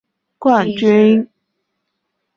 期间她曾随队两次夺得足协杯冠军。